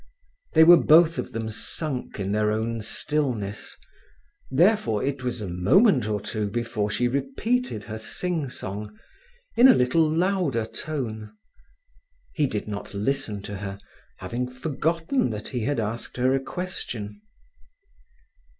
They were both of them sunk in their own stillness, therefore it was a moment or two before she repeated her singsong, in a little louder tone. He did not listen to her, having forgotten that he had asked her a question.